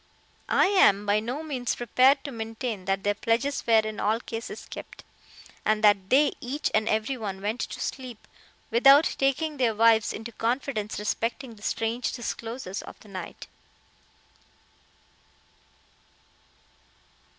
I am by no means prepared to maintain that their pledges were in all cases kept, and that they each and every one went to sleep without taking their wives into confidence respecting the strange disclosures of the night.